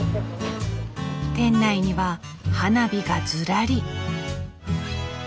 店内には花火がずらり。